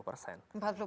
empat puluh persen ya pak